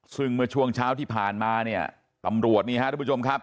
ซึ่งเมื่อช่วงเช้าที่ผ่านมาเนี่ยตำรวจนี่ฮะทุกผู้ชมครับ